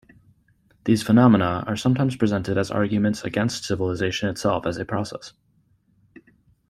These phenomena are sometimes presented as arguments against civilization itself as a process.